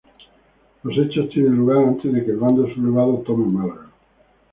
Los hechos tienen lugar antes de que el bando sublevado tome Málaga.